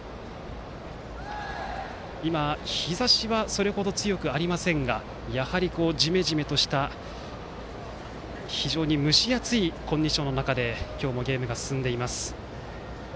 今、日差しはそれほど強くはありませんがやはりじめじめとした非常に蒸し暑いコンディションで今日もゲームが進んでいます。